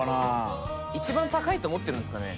一番高いと思ってるんですかね？